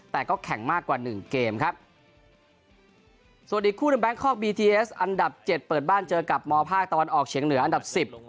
แต่ก็แข่งมากกว่าหนึ่งเกมครับส่วนอีกคู่หนึ่งแบงคอกบีทีเอสอันดับเจ็ดเปิดบ้านเจอกับมภาคตะวันออกเฉียงเหนืออันดับสิบ